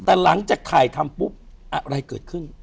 แต่หลังจากถ่ายทำปุ๊บอะไรเกิดขึ้น